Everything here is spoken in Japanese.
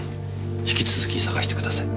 ひき続き捜してください。